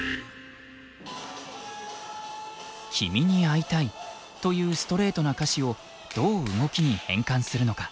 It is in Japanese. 「きみにアイタイ」というストレートな歌詞をどう動きに変換するのか。